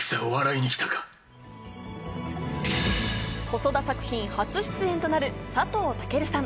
細田作品、初出演となる佐藤健さん。